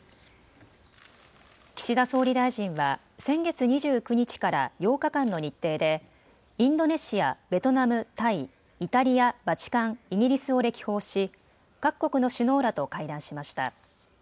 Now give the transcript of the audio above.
岸田総理大臣は、先月２９日から８日間の日程で、インドネシア、ベトナム、タイ、イタリア、バチカン、イギリスを歴訪し、各国の首脳らと会談しました。